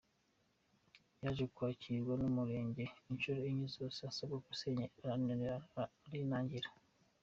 Yaje kwandikirwa n’umurenge inshuro enye zose asabwa gusenya arinangira.